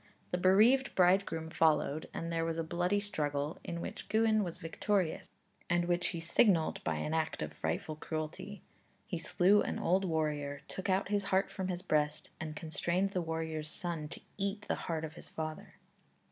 The bereaved bridegroom followed, and there was a bloody struggle, in which Gwyn was victorious, and which he signalized by an act of frightful cruelty; he slew an old warrior, took out his heart from his breast, and constrained the warrior's son to eat the heart of his father.